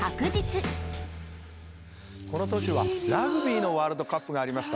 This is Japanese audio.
この年はラグビーのワールドカップがありました。